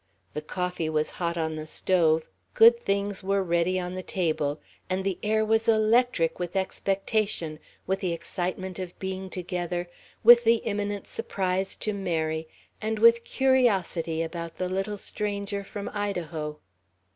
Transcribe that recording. The coffee was hot on the stove, good things were ready on the table, and the air was electric with expectation, with the excitement of being together, with the imminent surprise to Mary, and with curiosity about the little stranger from Idaho.